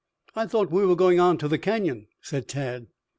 "I thought we were going on to the Canyon," said Tad.